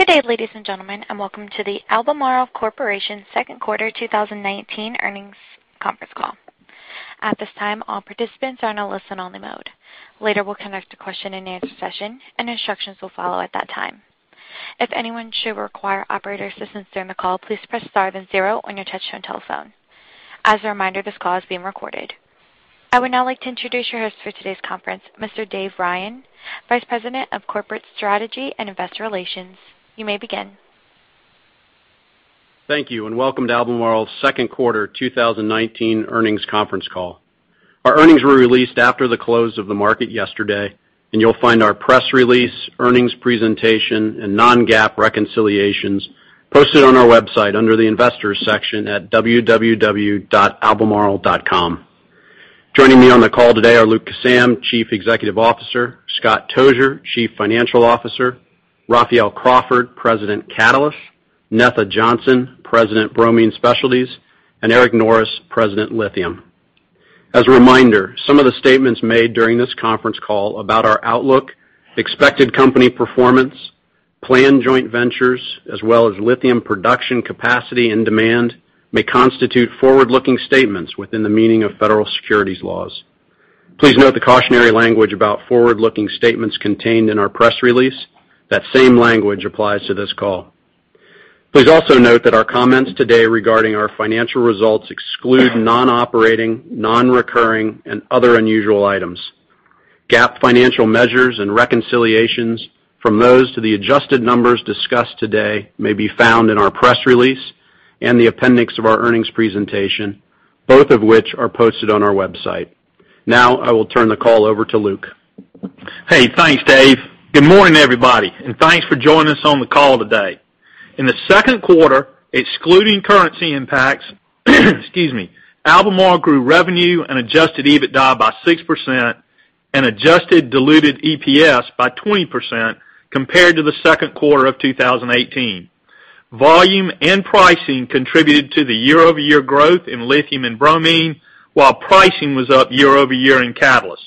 Good day, ladies and gentlemen, and welcome to the Albemarle Corporation second quarter 2019 earnings conference call. At this time, all participants are on a listen-only mode. Later, we'll conduct a question and answer session, and instructions will follow at that time. If anyone should require operator assistance during the call, please press star then zero on your touch-tone telephone. As a reminder, this call is being recorded. I would now like to introduce your host for today's conference, Mr. David Ryan, Vice President of Corporate Strategy and Investor Relations. You may begin. Thank you and welcome to Albemarle's second quarter 2019 earnings conference call. Our earnings were released after the close of the market yesterday. You'll find our press release, earnings presentation, and non-GAAP reconciliations posted on our website under the Investors section at www.albemarle.com. Joining me on the call today are Luke Kissam, Chief Executive Officer; Scott Tozier, Chief Financial Officer; Raphael Crawford, President, Catalysts; Netha Johnson, President, Bromine Specialties; and Eric Norris, President, Lithium. As a reminder, some of the statements made during this conference call about our outlook, expected company performance, planned joint ventures, as well as lithium production capacity and demand, may constitute forward-looking statements within the meaning of federal securities laws. Please note the cautionary language about forward-looking statements contained in our press release. That same language applies to this call. Please also note that our comments today regarding our financial results exclude non-operating, non-recurring, and other unusual items. GAAP financial measures and reconciliations from those to the adjusted numbers discussed today may be found in our press release and the appendix of our earnings presentation, both of which are posted on our website. Now I will turn the call over to Luke. Hey, thanks, Dave. Good morning, everybody, and thanks for joining us on the call today. In the second quarter, excluding currency impacts, Albemarle grew revenue and adjusted EBITDA by 6% and adjusted diluted EPS by 20% compared to the second quarter of 2018. Volume and pricing contributed to the year-over-year growth in lithium and bromine, while pricing was up year-over-year in catalysts.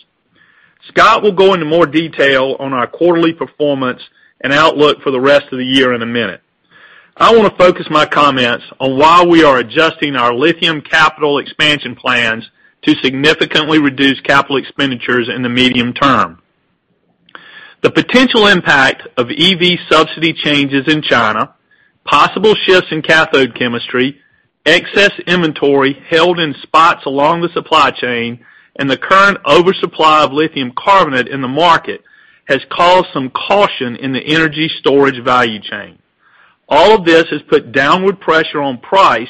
Scott will go into more detail on our quarterly performance and outlook for the rest of the year in a minute. I want to focus my comments on why we are adjusting our lithium capital expansion plans to significantly reduce capital expenditures in the medium term. The potential impact of EV subsidy changes in China, possible shifts in cathode chemistry, excess inventory held in spots along the supply chain, and the current oversupply of lithium carbonate in the market has caused some caution in the energy storage value chain. All of this has put downward pressure on price,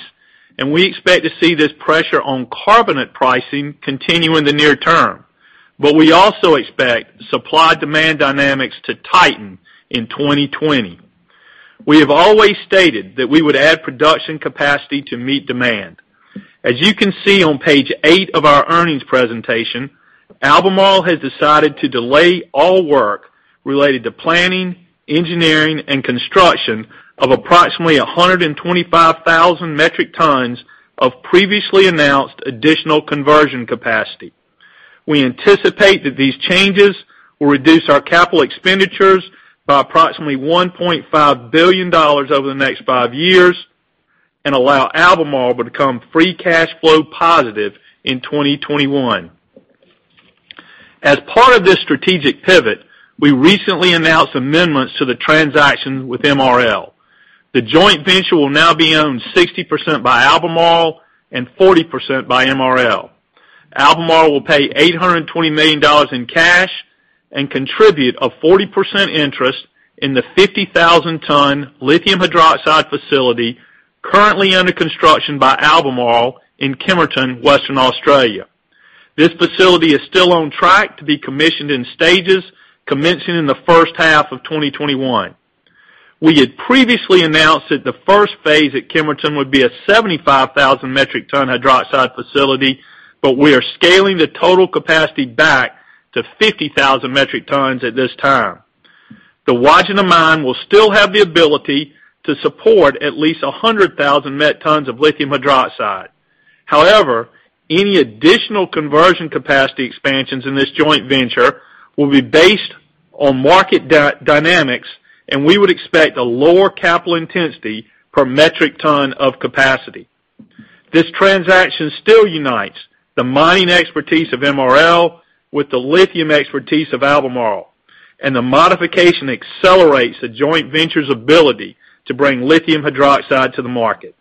and we expect to see this pressure on carbonate pricing continue in the near term. We also expect supply-demand dynamics to tighten in 2020. We have always stated that we would add production capacity to meet demand. As you can see on page eight of our earnings presentation, Albemarle has decided to delay all work related to planning, engineering, and construction of approximately 125,000 metric tons of previously announced additional conversion capacity. We anticipate that these changes will reduce our CapEx by approximately $1.5 billion over the next 5 years and allow Albemarle to become free cash flow positive in 2021. As part of this strategic pivot, we recently announced amendments to the transaction with MRL. The joint venture will now be owned 60% by Albemarle and 40% by MRL. Albemarle will pay $820 million in cash and contribute a 40% interest in the 50,000 tons lithium hydroxide facility currently under construction by Albemarle in Kemerton, Western Australia. This facility is still on track to be commissioned in stages, commencing in the first half of 2021. We had previously announced that the first phase at Kemerton would be a 75,000 metric tons hydroxide facility, but we are scaling the total capacity back to 50,000 metric tons at this time. The Wodgina Mine will still have the ability to support at least 100,000 metric tons of lithium hydroxide. Any additional conversion capacity expansions in this joint venture will be based on market dynamics, and we would expect a lower capital intensity per metric ton of capacity. This transaction still unites the mining expertise of MRL with the lithium expertise of Albemarle, the modification accelerates the joint venture's ability to bring lithium hydroxide to the market.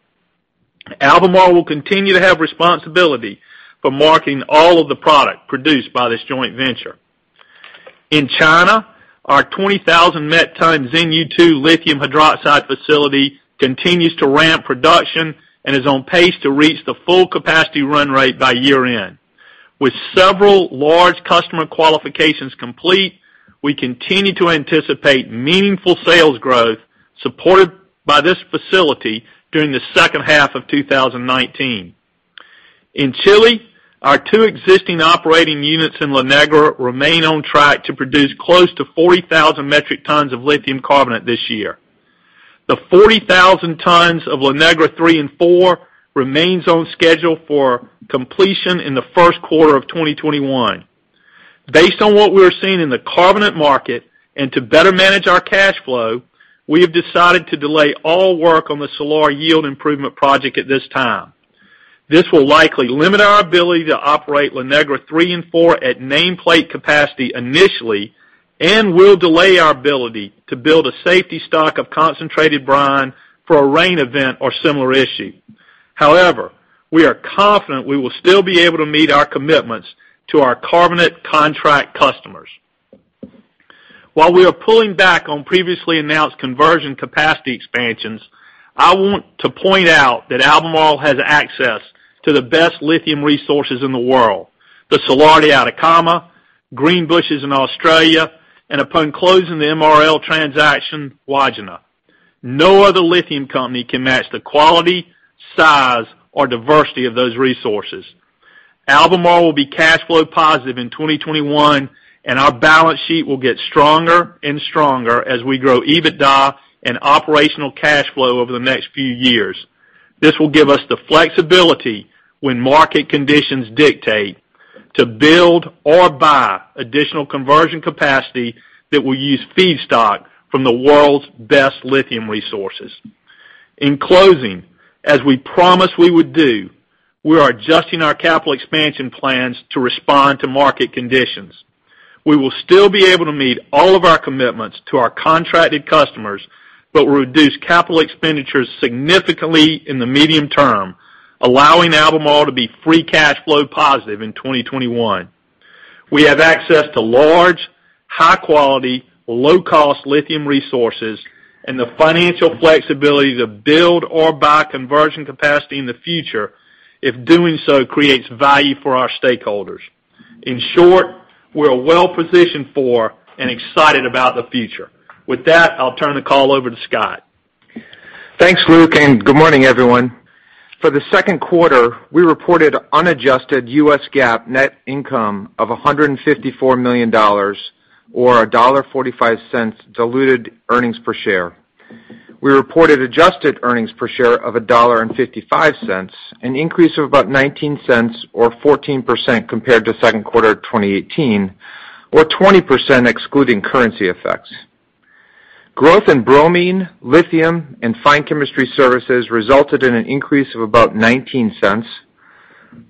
Albemarle will continue to have responsibility for marketing all of the product produced by this joint venture. In China, our 20,000 metric ton Xinyu 2 lithium hydroxide facility continues to ramp production and is on pace to reach the full capacity run rate by year-end. With several large customer qualifications complete, we continue to anticipate meaningful sales growth supported by this facility during the second half of 2019. In Chile, our two existing operating units in La Negra remain on track to produce close to 40,000 metric tons of lithium carbonate this year. The 40,000 tons of La Negra 3 and 4 remains on schedule for completion in the first quarter of 2021. Based on what we are seeing in the carbonate market and to better manage our cash flow, we have decided to delay all work on the Salar Yield Improvement Project at this time. This will likely limit our ability to operate La Negra 3 and 4 at nameplate capacity initially and will delay our ability to build a safety stock of concentrated brine for a rain event or similar issue. However, we are confident we will still be able to meet our commitments to our carbonate contract customers. While we are pulling back on previously announced conversion capacity expansions, I want to point out that Albemarle has access to the best lithium resources in the world, the Salar de Atacama, Greenbushes in Australia, and upon closing the MRL transaction, Wodgina. No other lithium company can match the quality, size, or diversity of those resources. Albemarle will be cash flow positive in 2021, and our balance sheet will get stronger and stronger as we grow EBITDA and operational cash flow over the next few years. This will give us the flexibility when market conditions dictate to build or buy additional conversion capacity that will use feedstock from the world's best lithium resources. In closing, as we promised we would do, we are adjusting our capital expansion plans to respond to market conditions. We will still be able to meet all of our commitments to our contracted customers, but will reduce capital expenditures significantly in the medium term, allowing Albemarle to be free cash flow positive in 2021. We have access to large, high-quality, low-cost lithium resources and the financial flexibility to build or buy conversion capacity in the future if doing so creates value for our stakeholders. In short, we're well-positioned for and excited about the future. With that, I'll turn the call over to Scott. Thanks, Luke. Good morning, everyone. For the second quarter, we reported unadjusted US GAAP net income of $154 million, or $1.45 diluted earnings per share. We reported adjusted earnings per share of $1.55, an increase of about $0.19 or 14% compared to second quarter 2018, or 20% excluding currency effects. Growth in bromine, lithium, and Fine Chemistry Services resulted in an increase of about $0.19.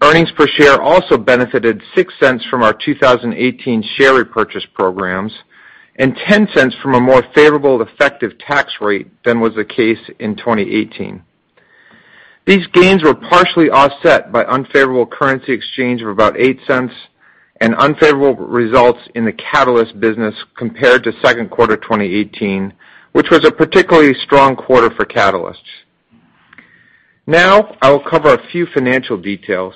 Earnings per share also benefited $0.06 from our 2018 share repurchase programs and $0.10 from a more favorable effective tax rate than was the case in 2018. These gains were partially offset by unfavorable currency exchange of about $0.08 and unfavorable results in the catalyst business compared to second quarter 2018, which was a particularly strong quarter for catalysts. I will cover a few financial details.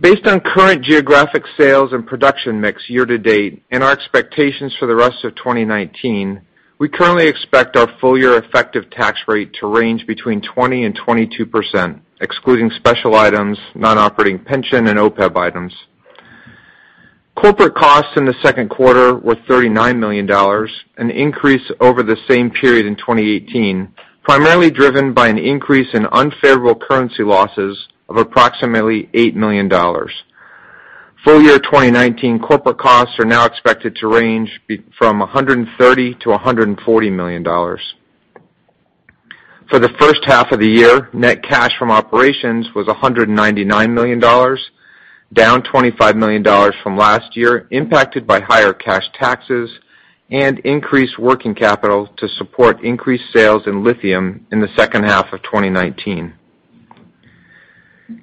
Based on current geographic sales and production mix year to date and our expectations for the rest of 2019, we currently expect our full-year effective tax rate to range between 20%-22%, excluding special items, non-operating pension and OPEB items. Corporate costs in the second quarter were $39 million, an increase over the same period in 2018, primarily driven by an increase in unfavorable currency losses of approximately $8 million. Full-year 2019 corporate costs are now expected to range from $130 million-$140 million. For the first half of the year, net cash from operations was $199 million, down $25 million from last year, impacted by higher cash taxes and increased working capital to support increased sales in lithium in the second half of 2019.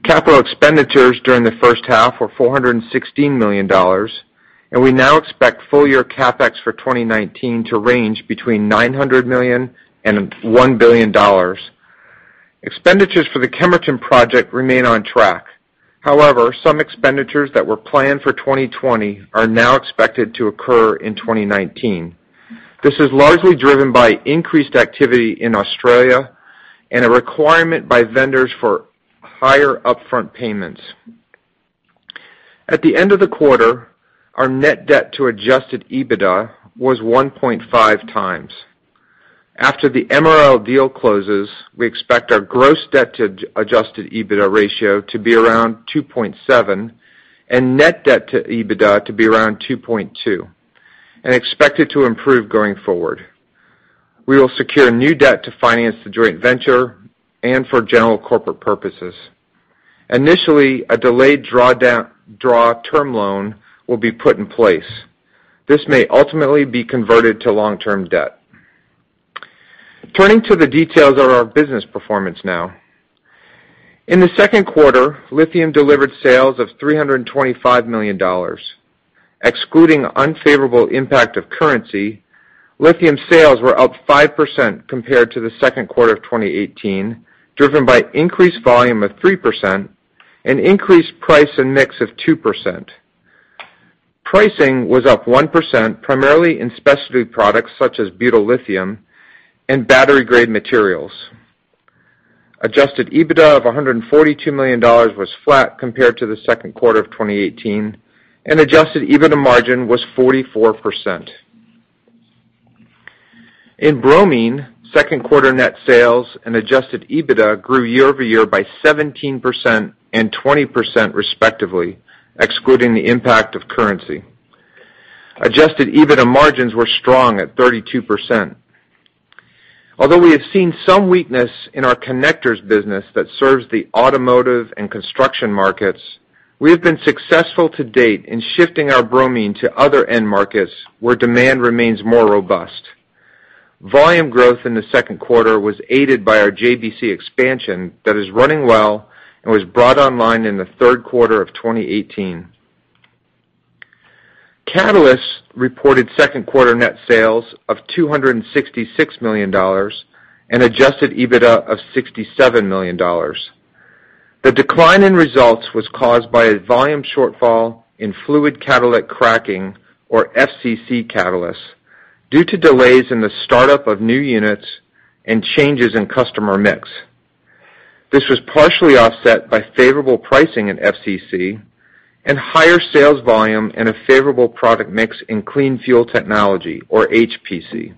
Capital expenditures during the first half were $416 million, and we now expect full-year CapEx for 2019 to range between $900 million and $1 billion. Expenditures for the Kemerton project remain on track. However, some expenditures that were planned for 2020 are now expected to occur in 2019. This is largely driven by increased activity in Australia and a requirement by vendors for higher upfront payments. At the end of the quarter, our net debt to adjusted EBITDA was 1.5 times. After the MRL deal closes, we expect our gross debt to adjusted EBITDA ratio to be around 2.7 and net debt to EBITDA to be around 2.2 and expect it to improve going forward. We will secure new debt to finance the joint venture and for general corporate purposes. Initially, a delayed draw term loan will be put in place. This may ultimately be converted to long-term debt. Turning to the details of our business performance now. In the second quarter, lithium delivered sales of $325 million. Excluding unfavorable impact of currency, lithium sales were up 5% compared to the second quarter of 2018, driven by increased volume of 3% and increased price and mix of 2%. Pricing was up 1%, primarily in specialty products such as butyllithium and battery-grade materials. Adjusted EBITDA of $142 million was flat compared to the second quarter of 2018, and adjusted EBITDA margin was 44%. In bromine, second quarter net sales and adjusted EBITDA grew year-over-year by 17% and 20% respectively, excluding the impact of currency. Adjusted EBITDA margins were strong at 32%. Although we have seen some weakness in our connectors business that serves the automotive and construction markets, we have been successful to date in shifting our bromine to other end markets where demand remains more robust. Volume growth in the second quarter was aided by our JBC expansion that is running well and was brought online in the third quarter of 2018. Catalysts reported second quarter net sales of $266 million, an adjusted EBITDA of $67 million. The decline in results was caused by a volume shortfall in fluid catalytic cracking, or FCC catalysts, due to delays in the startup of new units and changes in customer mix. This was partially offset by favorable pricing in FCC and higher sales volume and a favorable product mix in Clean Fuels Technology, or HPC.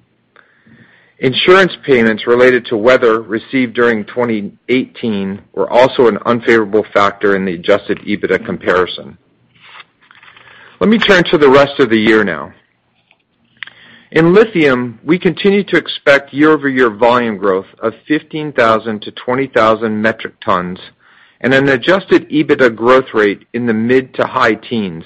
Insurance payments related to weather received during 2018 were also an unfavorable factor in the adjusted EBITDA comparison. Let me turn to the rest of the year now. In lithium, we continue to expect year-over-year volume growth of 15,000-20,000 metric tons and an adjusted EBITDA growth rate in the mid to high teens.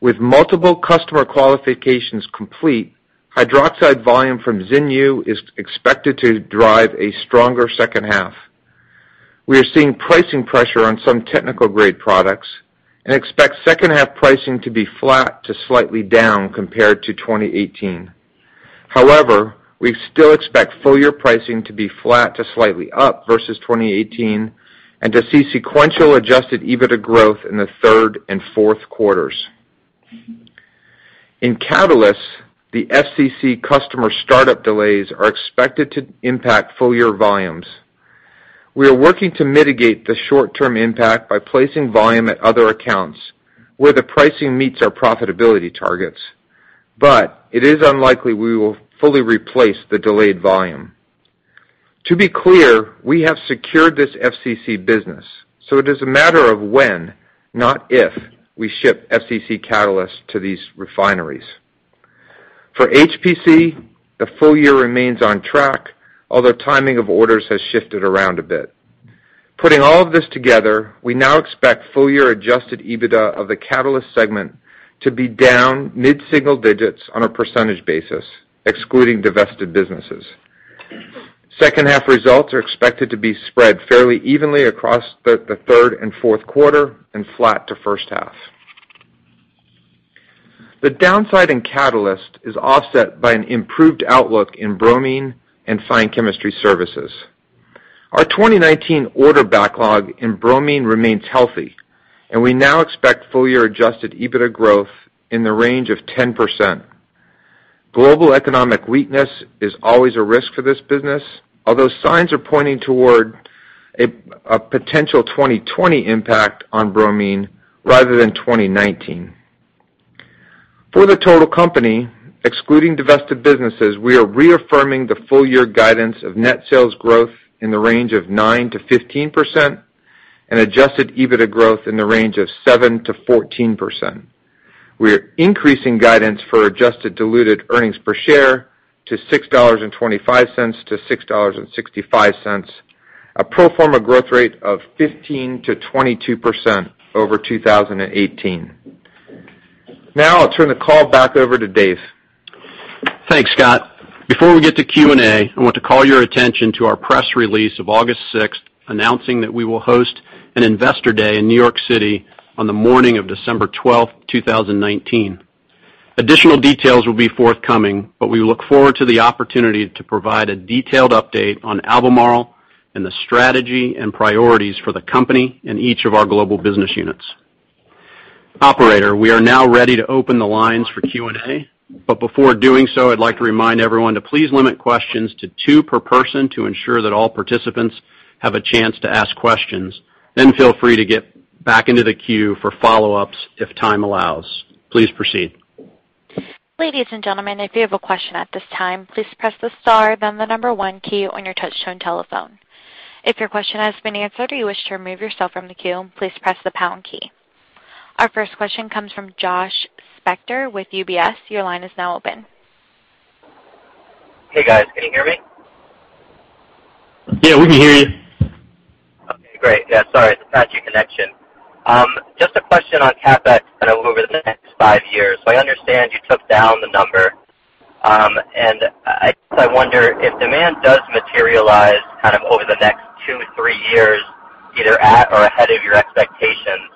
With multiple customer qualifications complete, hydroxide volume from Xinyu is expected to drive a stronger second half. We are seeing pricing pressure on some technical grade products and expect second half pricing to be flat to slightly down compared to 2018. We still expect full year pricing to be flat to slightly up versus 2018, and to see sequential adjusted EBITDA growth in the third and fourth quarters. In catalysts, the FCC customer startup delays are expected to impact full year volumes. We are working to mitigate the short-term impact by placing volume at other accounts where the pricing meets our profitability targets, it is unlikely we will fully replace the delayed volume. To be clear, we have secured this FCC business, it is a matter of when, not if, we ship FCC catalysts to these refineries. For HPC, the full year remains on track, although timing of orders has shifted around a bit. Putting all of this together, we now expect full year adjusted EBITDA of the catalyst segment to be down mid-single digits on a % basis, excluding divested businesses. Second half results are expected to be spread fairly evenly across the third and fourth quarter, and flat to first half. The downside in catalyst is offset by an improved outlook in bromine and Fine Chemistry Services. Our 2019 order backlog in bromine remains healthy, we now expect full year adjusted EBITDA growth in the range of 10%. Global economic weakness is always a risk for this business, although signs are pointing toward a potential 2020 impact on bromine rather than 2019. For the total company, excluding divested businesses, we are reaffirming the full year guidance of net sales growth in the range of 9%-15%, and adjusted EBITDA growth in the range of 7%-14%. We are increasing guidance for adjusted diluted earnings per share to $6.25-$6.65, a pro forma growth rate of 15%-22% over 2018. Now I'll turn the call back over to Dave. Thanks, Scott. Before we get to Q&A, I want to call your attention to our press release of August 6th, announcing that we will host an investor day in New York City on the morning of December 12th, 2019. Additional details will be forthcoming. We look forward to the opportunity to provide a detailed update on Albemarle and the strategy and priorities for the company in each of our global business units. Operator, we are now ready to open the lines for Q&A. Before doing so, I'd like to remind everyone to please limit questions to two per person to ensure that all participants have a chance to ask questions. Feel free to get back into the queue for follow-ups if time allows. Please proceed. Ladies and gentlemen, if you have a question at this time, please press the star then the number 1 key on your touchtone telephone. If your question has been answered or you wish to remove yourself from the queue, please press the pound key. Our first question comes from Joshua Spector with UBS. Your line is now open. Hey, guys. Can you hear me? Yeah, we can hear you. Okay, great. Yeah, sorry. Patchy connection. Just a question on CapEx over the next five years. I understand you took down the number. I guess I wonder if demand does materialize over the next two, three years, either at or ahead of your expectations,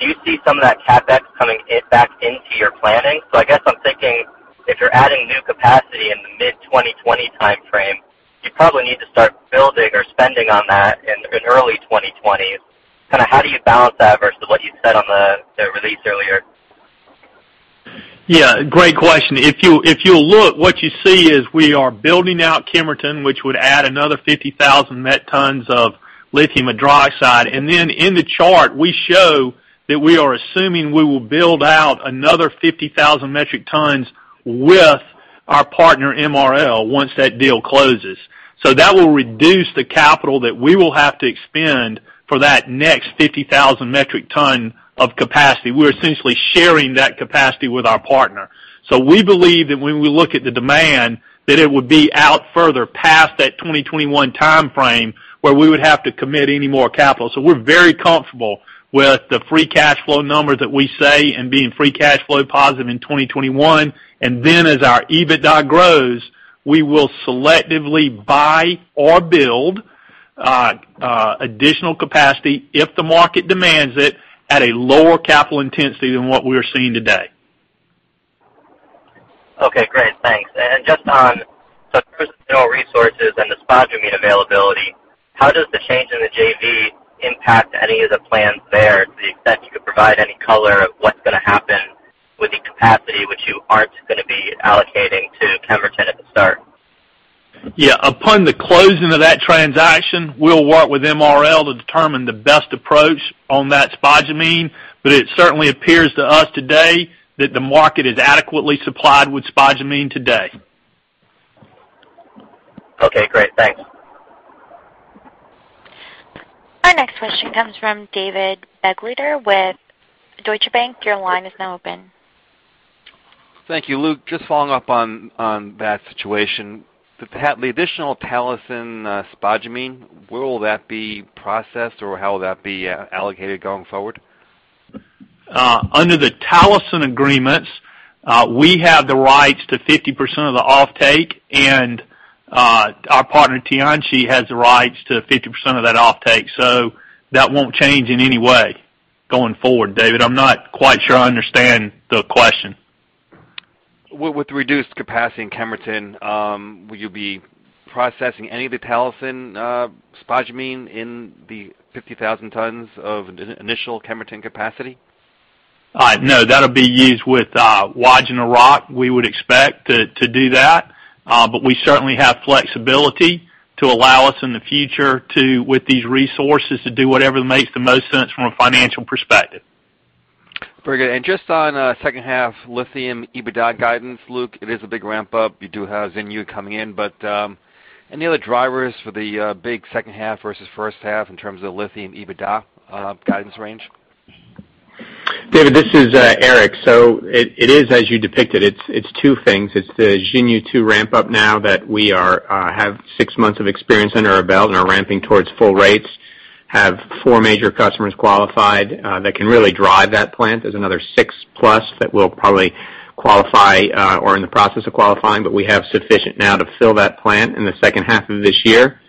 do you see some of that CapEx coming back into your planning? I guess I'm thinking if you're adding new capacity in the mid-2020 timeframe, you probably need to start building or spending on that in early 2020. How do you balance that versus what you said on the release earlier? Yeah, great question. If you'll look, what you see is we are building out Kemerton, which would add another 50,000 met tons of. Lithium hydroxide. In the chart, we show that we are assuming we will build out another 50,000 metric tons with our partner MRL once that deal closes. That will reduce the capital that we will have to expend for that next 50,000 metric ton of capacity. We're essentially sharing that capacity with our partner. We believe that when we look at the demand, that it would be out further past that 2021 timeframe where we would have to commit any more capital. We're very comfortable with the free cash flow numbers that we say and being free cash flow positive in 2021. As our EBITDA grows, we will selectively buy or build additional capacity if the market demands it at a lower capital intensity than what we're seeing today. Okay, great. Thanks. Just on the resources and the spodumene availability, how does the change in the JV impact any of the plans there to the extent you could provide any color of what's going to happen with the capacity which you aren't going to be allocating to Kemerton at the start? Yeah. Upon the closing of that transaction, we'll work with MRL to determine the best approach on that spodumene, but it certainly appears to us today that the market is adequately supplied with spodumene today. Okay, great. Thanks. Our next question comes from David Begleiter with Deutsche Bank. Your line is now open. Thank you. Luke, just following up on that situation. The additional Talison spodumene, where will that be processed or how will that be allocated going forward? Under the Talison agreements, we have the rights to 50% of the offtake, and our partner Tianqi has the rights to 50% of that offtake. That won't change in any way going forward, David. I'm not quite sure I understand the question. With the reduced capacity in Kemerton, will you be processing any of the Talison spodumene in the 50,000 tons of initial Kemerton capacity? No. That'll be used with Wodgina rock. We would expect to do that, but we certainly have flexibility to allow us in the future, with these resources, to do whatever makes the most sense from a financial perspective. Very good. Just on second half lithium EBITDA guidance, Luke, it is a big ramp-up. You do have Xinyu coming in, any other drivers for the big second half versus first half in terms of lithium EBITDA guidance range? David, this is Eric. It is as you depicted. It's two things. It's the Xinyu 2 ramp-up now that we have six months of experience under our belt and are ramping towards full rates. Have four major customers qualified that can really drive that plant. There's another six-plus that we'll probably qualify or are in the process of qualifying, but we have sufficient now to fill that plant in the second half of this year.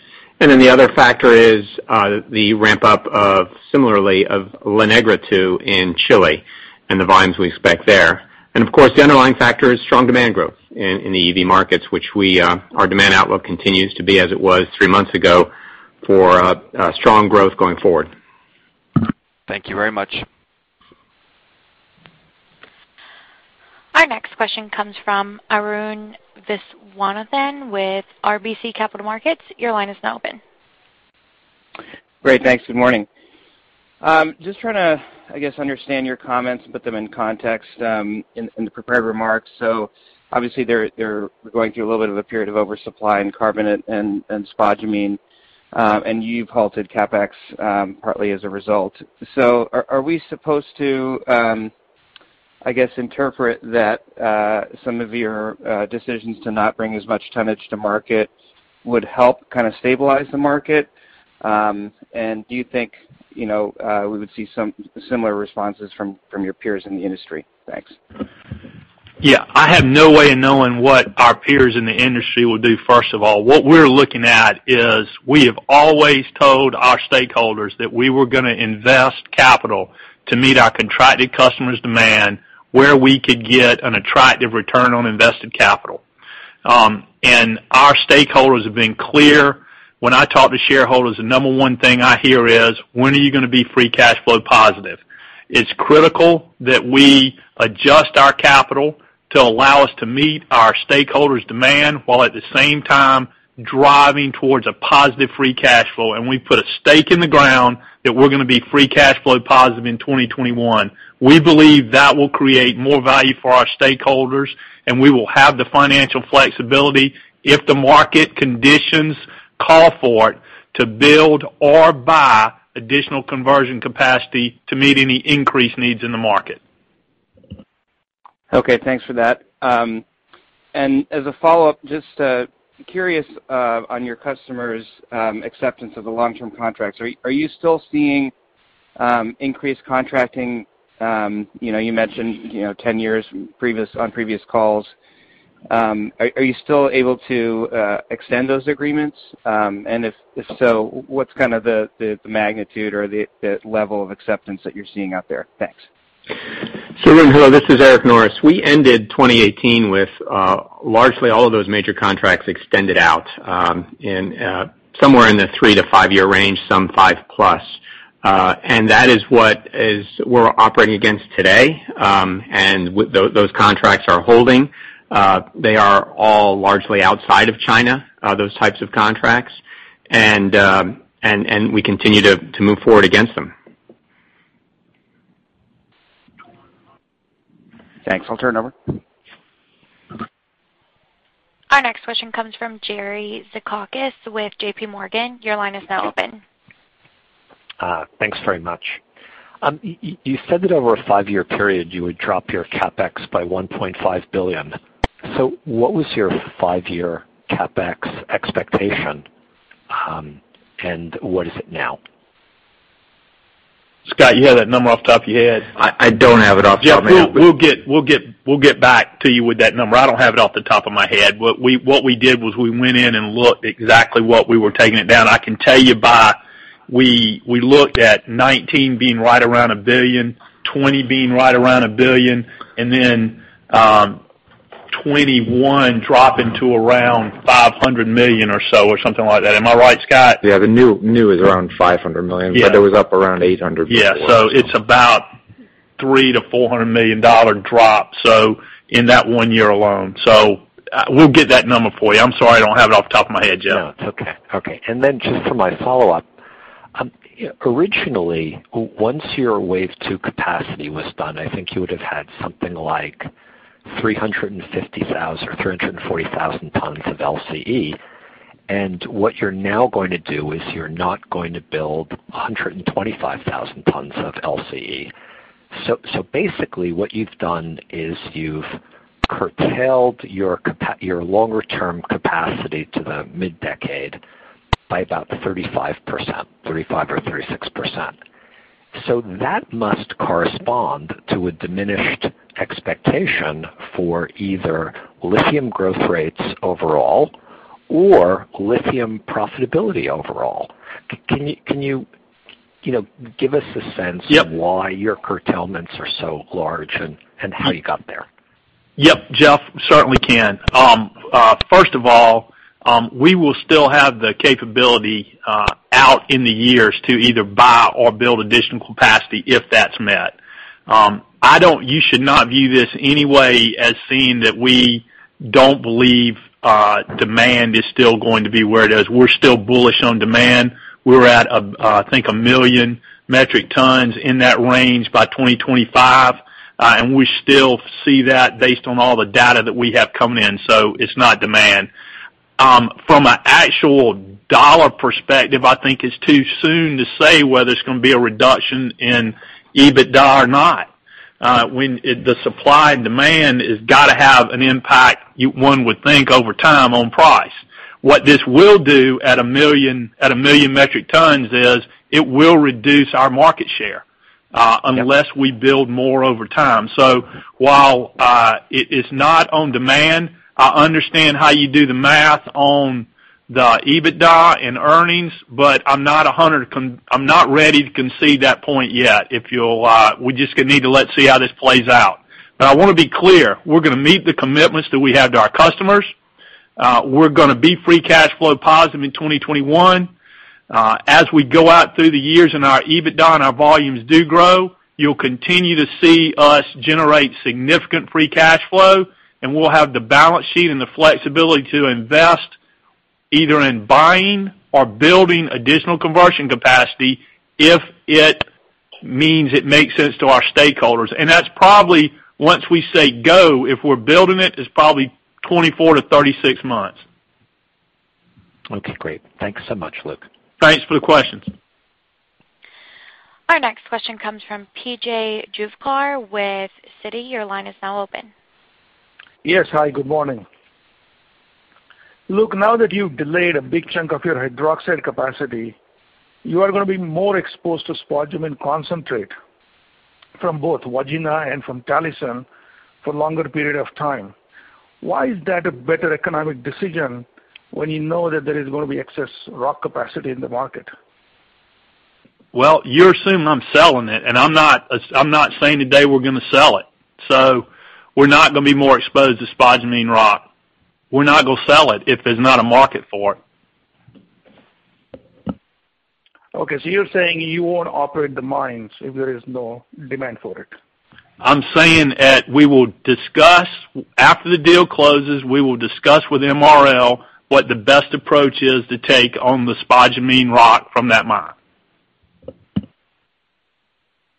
The other factor is the ramp-up of similarly of La Negra 2 in Chile and the volumes we expect there. And of course, the underlying factor is strong demand growth in the EV markets, which our demand outlook continues to be as it was three months ago for strong growth going forward. Thank you very much. Our next question comes from Arun Viswanathan with RBC Capital Markets. Your line is now open. Great. Thanks. Good morning. Just trying to, I guess, understand your comments and put them in context in the prepared remarks. Obviously, they're going through a little bit of a period of oversupply in carbonate and spodumene, and you've halted CapEx partly as a result. Are we supposed to, I guess, interpret that some of your decisions to not bring as much tonnage to market would help kind of stabilize the market? Do you think we would see some similar responses from your peers in the industry? Thanks. Yeah. I have no way of knowing what our peers in the industry will do, first of all. What we're looking at is we have always told our stakeholders that we were going to invest capital to meet our contracted customers' demand where we could get an attractive return on invested capital. Our stakeholders have been clear. When I talk to shareholders, the number 1 thing I hear is: When are you going to be free cash flow positive? It's critical that we adjust our capital to allow us to meet our stakeholders' demand, while at the same time driving towards a positive free cash flow. We've put a stake in the ground that we're going to be free cash flow positive in 2021. We believe that will create more value for our stakeholders, and we will have the financial flexibility if the market conditions call for it to build or buy additional conversion capacity to meet any increased needs in the market. Okay. Thanks for that. As a follow-up, just curious on your customers' acceptance of the long-term contracts. Are you still seeing increased contracting? You mentioned 10 years on previous calls. Are you still able to extend those agreements? If so, what's the magnitude or the level of acceptance that you're seeing out there? Thanks. Arun, hello, this is Eric Norris. We ended 2018 with largely all of those major contracts extended out in somewhere in the three to five-year range, some five-plus. That is what we're operating against today, and those contracts are holding. They are all largely outside of China, those types of contracts, and we continue to move forward against them. Thanks. I'll turn it over. Our next question comes from Jeff Zekauskas with JPMorgan. Your line is now open. Thanks very much. You said that over a five-year period, you would drop your CapEx by $1.5 billion. What was your five-year CapEx expectation, and what is it now? Scott, you have that number off the top of your head? I don't have it off the top of my head. We'll get back to you with that number. I don't have it off the top of my head. What we did was we went in and looked exactly what we were taking it down. I can tell you we looked at 2019 being right around $1 billion, 2020 being right around $1 billion, and then 2021 dropping to around $500 million or so, or something like that. Am I right, Scott? Yeah, the new is around $500 million. Yeah. It was up around $800 before. Yeah. It's about $3 million-$400 million drop in that one year alone. We'll get that number for you. I'm sorry I don't have it off the top of my head, Jeff. No, it's okay. Okay. Then just for my follow-up, originally, once your wave two capacity was done, I think you would have had something like 350,000 or 340,000 tons of LCE. What you're now going to do is you're not going to build 125,000 tons of LCE. Basically what you've done is you've curtailed your longer-term capacity to the mid-decade by about 35% or 36%. That must correspond to a diminished expectation for either lithium growth rates overall or lithium profitability overall. Can you give us a sense- Yep why your curtailments are so large and how you got there? Yep. Jeff, certainly can. First of all, we will still have the capability out in the years to either buy or build additional capacity if that's met. You should not view this any way as saying that we don't believe demand is still going to be where it is. We're still bullish on demand. We're at, I think, 1 million metric tons, in that range, by 2025. We still see that based on all the data that we have coming in, so it's not demand. From an actual dollar perspective, I think it's too soon to say whether it's going to be a reduction in EBITDA or not. The supply and demand has got to have an impact, one would think, over time on price. What this will do at 1 million metric tons is it will reduce our market share unless we build more over time. While it is not on demand, I understand how you do the math on the EBITDA and earnings, but I'm not ready to concede that point yet. We're just going to need to let see how this plays out. I want to be clear, we're going to meet the commitments that we have to our customers. We're going to be free cash flow positive in 2021. As we go out through the years and our EBITDA and our volumes do grow, you'll continue to see us generate significant free cash flow, and we'll have the balance sheet and the flexibility to invest, either in buying or building additional conversion capacity if it means it makes sense to our stakeholders. That's probably once we say go, if we're building it's probably 24 to 36 months. Okay, great. Thanks so much, Luke. Thanks for the question. Our next question comes from P.J. Juvekar with Citi. Your line is now open. Hi, good morning. Luke, now that you've delayed a big chunk of your hydroxide capacity, you are going to be more exposed to spodumene concentrate from both Wodgina and from Talison for longer period of time. Why is that a better economic decision when you know that there is going to be excess rock capacity in the market? Well, you're assuming I'm selling it. I'm not saying today we're going to sell it. We're not going to be more exposed to spodumene rock. We're not going to sell it if there's not a market for it. You're saying you won't operate the mines if there is no demand for it? I'm saying that after the deal closes, we will discuss with MRL what the best approach is to take on the spodumene rock from that mine.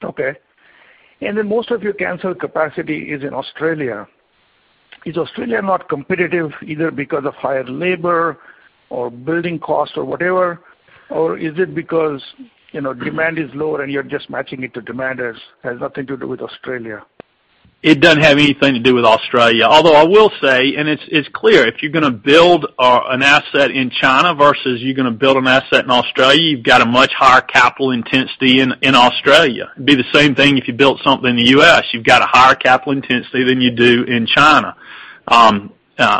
Okay. Most of your canceled capacity is in Australia. Is Australia not competitive either because of higher labor or building costs or whatever? Is it because demand is lower and you're just matching it to demand, it has nothing to do with Australia? It doesn't have anything to do with Australia. I will say, and it's clear, if you're going to build an asset in China versus you're going to build an asset in Australia, you've got a much higher capital intensity in Australia. It'd be the same thing if you built something in the U.S. You've got a higher capital intensity than you do in China.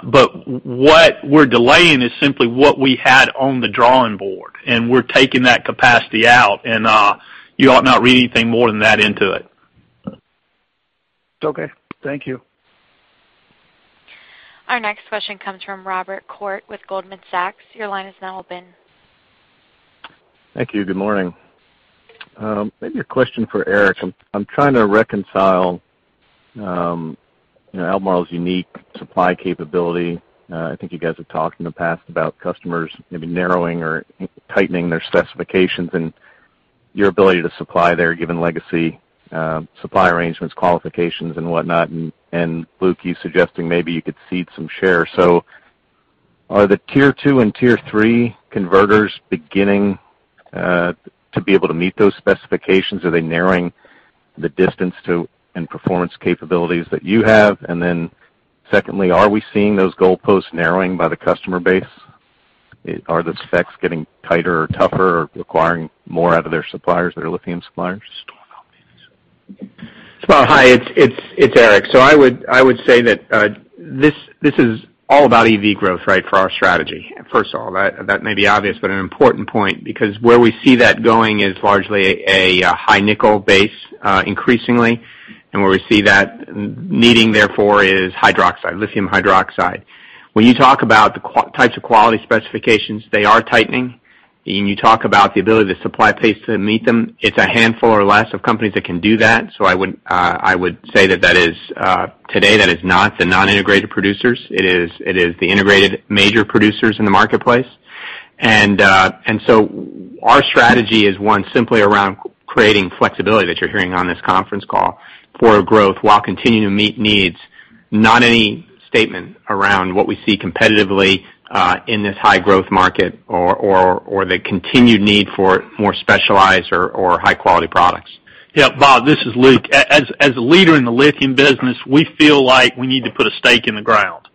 What we're delaying is simply what we had on the drawing board, and we're taking that capacity out, and you ought not read anything more than that into it. Okay. Thank you. Our next question comes from Robert Koort with Goldman Sachs. Your line is now open. Thank you. Good morning. Maybe a question for Eric. I'm trying to reconcile Albemarle's unique supply capability. I think you guys have talked in the past about customers maybe narrowing or tightening their specifications and your ability to supply there, given legacy supply arrangements, qualifications, and whatnot. Luke, you suggesting maybe you could cede some share. Are the tier 2 and tier 3 converters beginning to be able to meet those specifications? Are they narrowing the distance to and performance capabilities that you have? Secondly, are we seeing those goalposts narrowing by the customer base? Are the specs getting tighter or tougher, requiring more out of their suppliers, their lithium suppliers? Bob, hi, it's Eric. I would say that this is all about EV growth for our strategy. First of all, that may be obvious, but an important point, because where we see that going is largely a high nickel base increasingly. Where we see that needing, therefore, is hydroxide, lithium hydroxide. When you talk about the types of quality specifications, they are tightening. When you talk about the ability to supply pace to meet them, it's a handful or less of companies that can do that. I would say that today that is not the non-integrated producers. It is the integrated major producers in the marketplace. Our strategy is one simply around creating flexibility that you're hearing on this conference call for growth while continuing to meet needs. Not any statement around what we see competitively in this high growth market or the continued need for more specialized or high-quality products. Yeah, Bob, this is Luke. As a leader in the lithium business, we feel like we need to put a stake in the ground.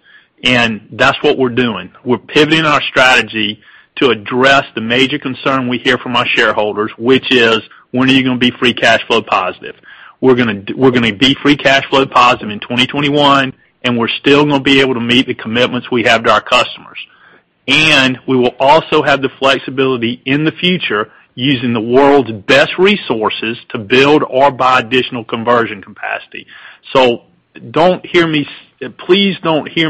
That's what we're doing. We're pivoting our strategy to address the major concern we hear from our shareholders, which is: When are you going to be free cash flow positive? We're going to be free cash flow positive in 2021. We're still going to be able to meet the commitments we have to our customers. We will also have the flexibility in the future using the world's best resources to build or buy additional conversion capacity. Please don't hear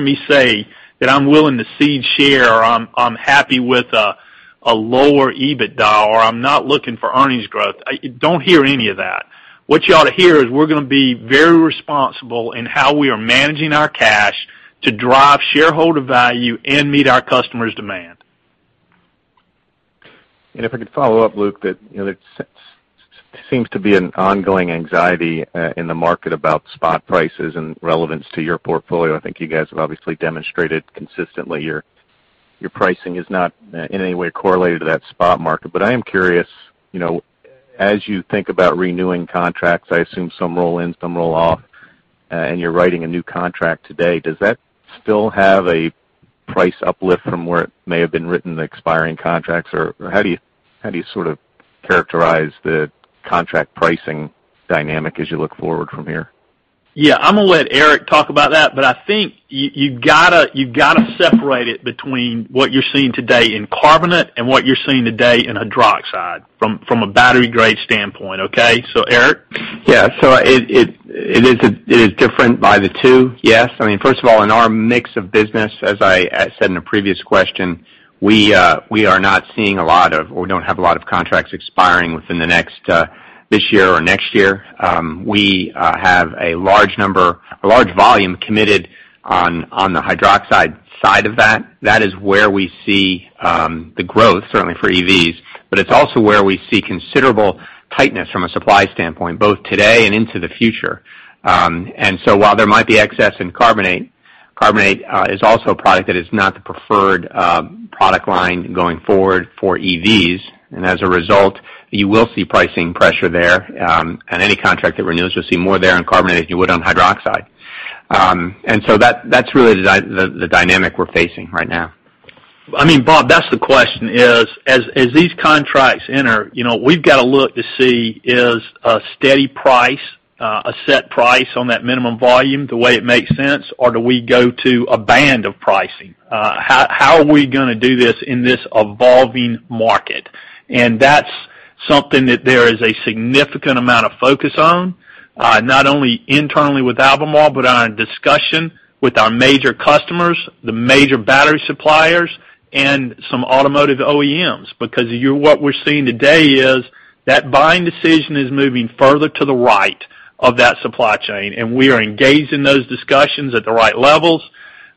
me say that I'm willing to cede share or I'm happy with a lower EBITDA, or I'm not looking for earnings growth. Don't hear any of that. What you ought to hear is we're going to be very responsible in how we are managing our cash to drive shareholder value and meet our customers' demand. If I could follow up, Luke, that it seems to be an ongoing anxiety in the market about spot prices and relevance to your portfolio. I think you guys have obviously demonstrated consistently your pricing is not in any way correlated to that spot market. I am curious, as you think about renewing contracts, I assume some roll in, some roll off, and you're writing a new contract today, does that still have a price uplift from where it may have been written, the expiring contracts? How do you sort of characterize the contract pricing dynamic as you look forward from here? Yeah, I'm going to let Eric talk about that. I think you've got to separate it between what you're seeing today in carbonate and what you're seeing today in hydroxide from a battery grade standpoint, okay? Eric? It is different by the two, yes. First of all, in our mix of business, as I said in a previous question, we are not seeing a lot of, or we don't have a lot of contracts expiring within this year or next year. We have a large volume committed on the hydroxide side of that. That is where we see the growth, certainly for EVs. It's also where we see considerable tightness from a supply standpoint, both today and into the future. While there might be excess in carbonate is also a product that is not the preferred product line going forward for EVs. As a result, you will see pricing pressure there. On any contract that renews, you'll see more there on carbonate than you would on hydroxide. That's really the dynamic we're facing right now. Robert, that's the question is, as these contracts enter, we've got to look to see is a steady price, a set price on that minimum volume the way it makes sense, or do we go to a band of pricing? How are we going to do this in this evolving market? That's something that there is a significant amount of focus on, not only internally with Albemarle, but on a discussion with our major customers, the major battery suppliers, and some automotive OEMs. Because what we're seeing today is that buying decision is moving further to the right of that supply chain, and we are engaged in those discussions at the right levels.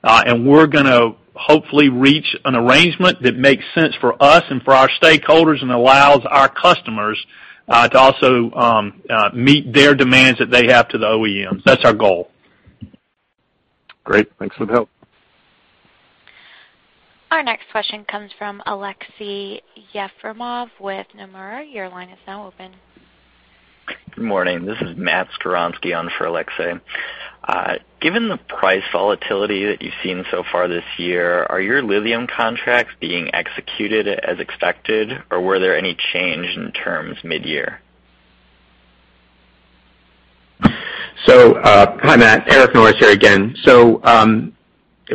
We're going to hopefully reach an arrangement that makes sense for us and for our stakeholders and allows our customers to also meet their demands that they have to the OEMs. That's our goal. Great. Thanks for the help. Our next question comes from Aleksey Yefremov with Nomura. Your line is now open. Good morning. This is Matt Skowronski on for Aleksey. Given the price volatility that you've seen so far this year, are your lithium contracts being executed as expected, or were there any change in terms mid-year? Hi, Matt. Eric Norris here again.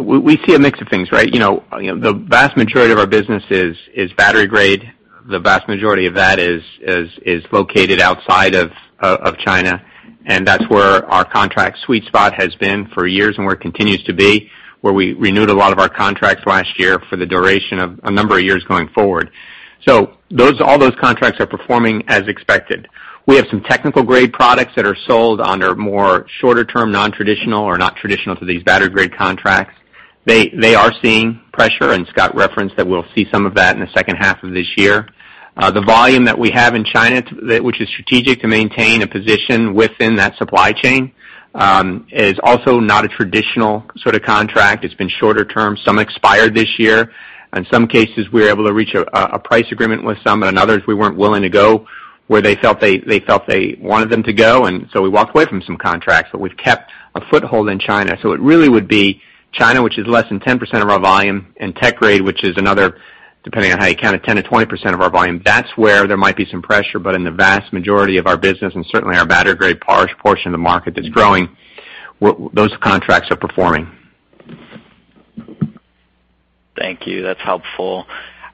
We see a mix of things, right? The vast majority of our business is battery-grade. The vast majority of that is located outside of China, and that's where our contract sweet spot has been for years and where it continues to be, where we renewed a lot of our contracts last year for the duration of a number of years going forward. All those contracts are performing as expected. We have some technical-grade products that are sold under more shorter-term, nontraditional or not traditional to these battery-grade contracts. They are seeing pressure, and Scott referenced that we'll see some of that in the second half of this year. The volume that we have in China, which is strategic to maintain a position within that supply chain, is also not a traditional sort of contract. It's been shorter-term. Some expired this year. In some cases, we were able to reach a price agreement with some, but in others, we weren't willing to go where they felt they wanted them to go, we walked away from some contracts. We've kept a foothold in China. It really would be China, which is less than 10% of our volume, and tech grade, which is another, depending on how you count it, 10%-20% of our volume. That's where there might be some pressure. In the vast majority of our business, and certainly our battery-grade portion of the market that's growing, those contracts are performing. Thank you. That's helpful.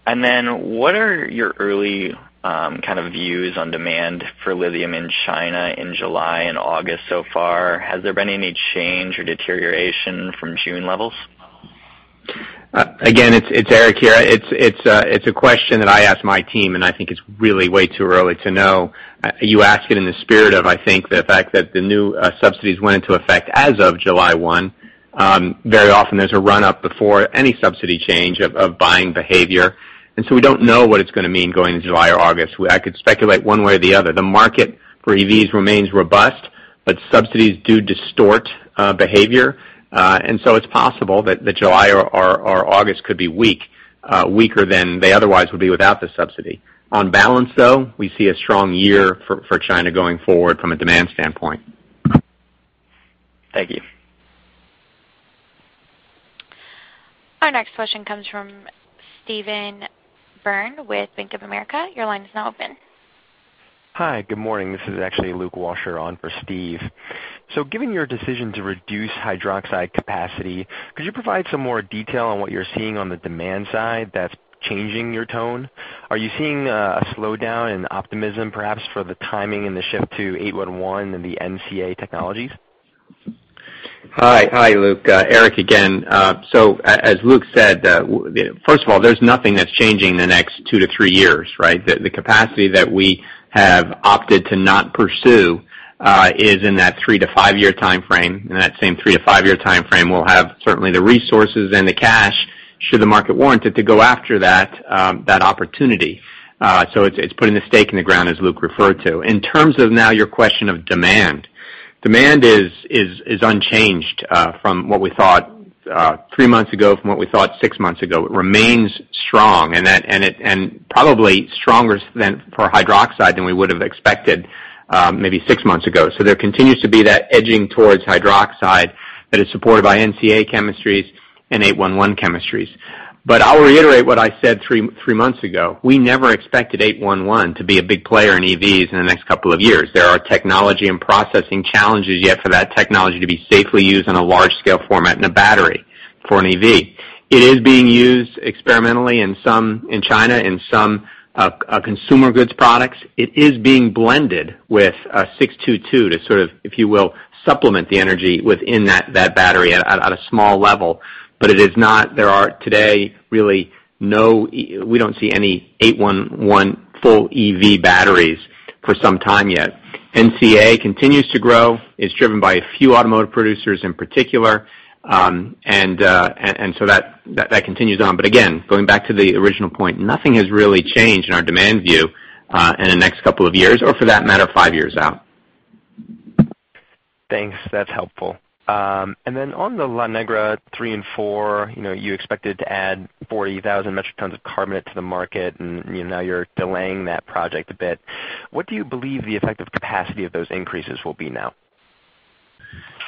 What are your early kind of views on demand for lithium in China in July and August so far? Has there been any change or deterioration from June levels? It's Eric here. It's a question that I ask my team, and I think it's really way too early to know. You ask it in the spirit of, I think, the fact that the new subsidies went into effect as of July 1. Very often there's a run up before any subsidy change of buying behavior. We don't know what it's going to mean going into July or August. I could speculate one way or the other. The market for EVs remains robust. Subsidies do distort behavior. It's possible that July or August could be weak, weaker than they otherwise would be without the subsidy. On balance, though, we see a strong year for China going forward from a demand standpoint. Thank you. Our next question comes from Stephen Byrne with Bank of America. Your line is now open. Hi, good morning. This is actually Luke Washer on for Steve. Given your decision to reduce hydroxide capacity, could you provide some more detail on what you're seeing on the demand side that's changing your tone? Are you seeing a slowdown in optimism, perhaps, for the timing and the shift to 811 and the NCA technologies? Hi, Luke. Eric again. As Luke said, first of all, there's nothing that's changing in the next two to three years, right? The capacity that we have opted to not pursue is in that three to five-year timeframe. In that same three to five-year timeframe, we'll have certainly the resources and the cash should the market warrant it to go after that opportunity. It's putting a stake in the ground, as Luke referred to. In terms of now your question of demand. Demand is unchanged from what we thought three months ago, from what we thought six months ago. It remains strong, and probably stronger for hydroxide than we would have expected maybe six months ago. There continues to be that edging towards hydroxide that is supported by NCA chemistries and 811 chemistries. I'll reiterate what I said three months ago. We never expected 811 to be a big player in EVs in the next couple of years. There are technology and processing challenges yet for that technology to be safely used in a large scale format in a battery for an EV. It is being used experimentally in China, in some consumer goods products. It is being blended with 622 to sort of, if you will, supplement the energy within that battery at a small level. There are today really, we don't see any 811 full EV batteries for some time yet. NCA continues to grow. It is driven by a few automotive producers in particular. That continues on. Again, going back to the original point, nothing has really changed in our demand view in the next couple of years or for that matter, five years out. Thanks. That's helpful. On the La Negra 3 and 4, you expected to add 40,000 metric tons of carbonate to the market, and now you're delaying that project a bit. What do you believe the effective capacity of those increases will be now?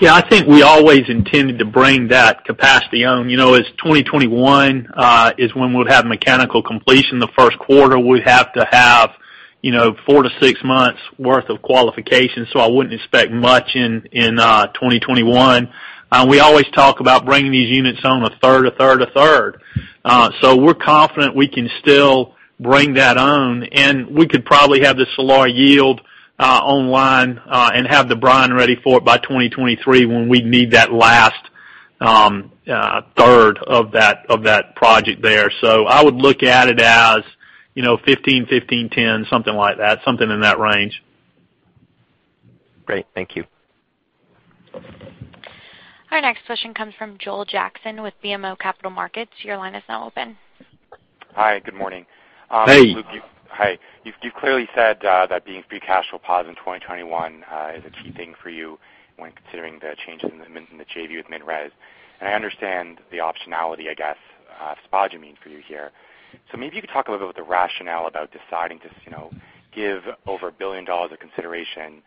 Yeah, I think we always intended to bring that capacity on. You know as 2021 is when we'll have mechanical completion in the first quarter, we'd have to have four to six months worth of qualification. I wouldn't expect much in 2021. We always talk about bringing these units on a third, a third, a third. We're confident we can still bring that on, and we could probably have the Salar yield online and have the brine ready for it by 2023 when we need that last third of that project there. I would look at it as 15, 10, something like that, something in that range. Great. Thank you. Our next question comes from Joel Jackson with BMO Capital Markets. Your line is now open. Hi, good morning. Hey. Hi. You've clearly said that being free cash flow positive in 2021 is a key thing for you when considering the change in the JV with MinRes. I understand the optionality, I guess, of spodumene for you here. Maybe you could talk a little bit about the rationale about deciding to give over $1 billion of consideration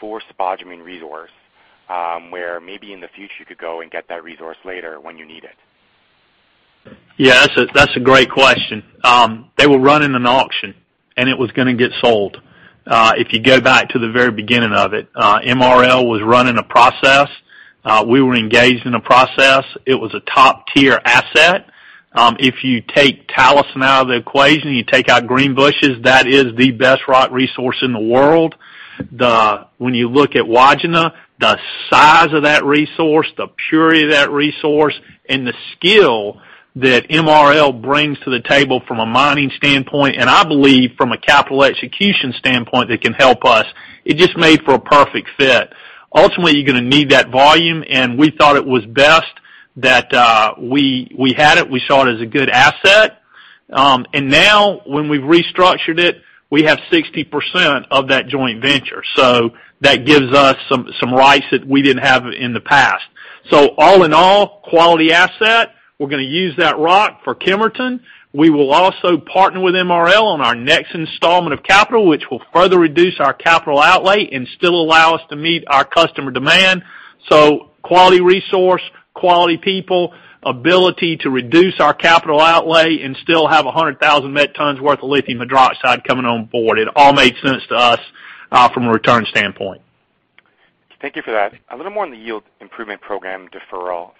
for spodumene resource, where maybe in the future you could go and get that resource later when you need it. Yeah, that's a great question. They were running an auction, and it was going to get sold. If you go back to the very beginning of it, MRL was running a process. We were engaged in a process. It was a top-tier asset. If you take Talison out of the equation, you take out Greenbushes, that is the best rock resource in the world. When you look at Wodgina, the size of that resource, the purity of that resource, and the skill that MRL brings to the table from a mining standpoint, and I believe from a capital execution standpoint, that can help us. It just made for a perfect fit. Ultimately, you're going to need that volume, and we thought it was best that we had it. We saw it as a good asset. Now, when we've restructured it, we have 60% of that joint venture. That gives us some rights that we didn't have in the past. All in all, quality asset. We're going to use that rock for Kemerton. We will also partner with MRL on our next installment of capital, which will further reduce our capital outlay and still allow us to meet our customer demand. Quality resource, quality people, ability to reduce our capital outlay and still have 100,000 met tons worth of lithium hydroxide coming on board. It all made sense to us from a return standpoint. Thank you for that. A little more on the yield improvement program deferral.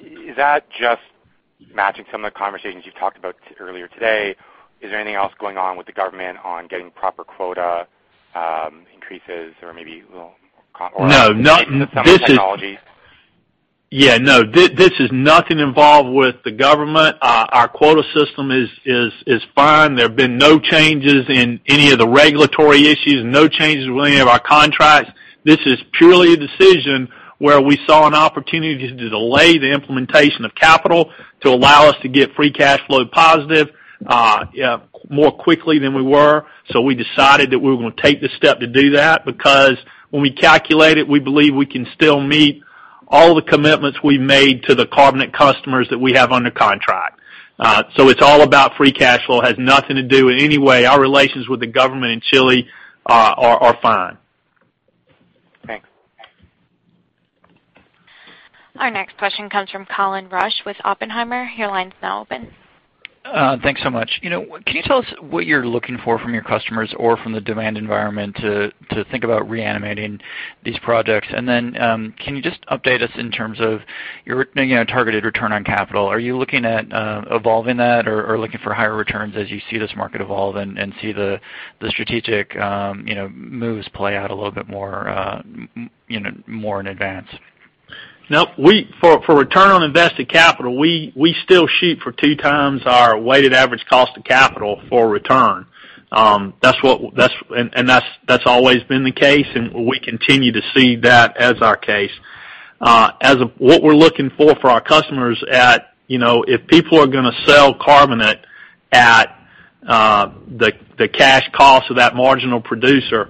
Is that just matching some of the conversations you talked about earlier today? Is there anything else going on with the government on getting proper quota increases? No. some technologies? Yeah, no, this is nothing involved with the government. Our quota system is fine. There have been no changes in any of the regulatory issues, no changes with any of our contracts. This is purely a decision where we saw an opportunity to delay the implementation of capital to allow us to get free cash flow positive more quickly than we were. We decided that we were going to take the step to do that because when we calculate it, we believe we can still meet all the commitments we made to the carbonate customers that we have under contract. It's all about free cash flow. It has nothing to do in any way. Our relations with the government in Chile are fine. Thanks. Our next question comes from Colin Rusch with Oppenheimer. Your line's now open. Thanks so much. Can you tell us what you're looking for from your customers or from the demand environment to think about reanimating these projects? Can you just update us in terms of your targeted return on capital? Are you looking at evolving that or looking for higher returns as you see this market evolve and see the strategic moves play out a little bit more in advance? No. For return on invested capital, we still shoot for two times our weighted average cost of capital for return. That's always been the case, and we continue to see that as our case. What we're looking for our customers at, if people are going to sell carbonate at the cash cost of that marginal producer,